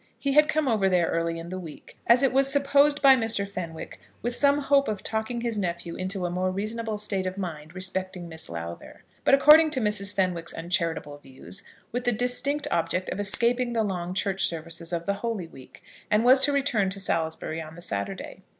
He had come over there early in the week, as it was supposed by Mr. Fenwick with some hope of talking his nephew into a more reasonable state of mind respecting Miss Lowther; but, according to Mrs. Fenwick's uncharitable views, with the distinct object of escaping the long church services of the Holy week, and was to return to Salisbury on the Saturday.